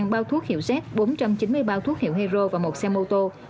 một mươi bao thuốc hiệu z bốn trăm chín mươi bao thuốc hiệu hero và một xe mô tô